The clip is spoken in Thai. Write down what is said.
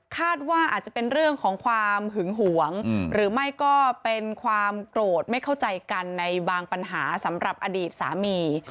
คาดว่าอาจจะเป็นเรื่องของความหึงหวงหรือไม่ก็เป็นความโกรธไม่เข้าใจกันในบางปัญหาสำหรับอดีตสามี